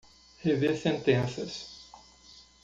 Rever sentenças.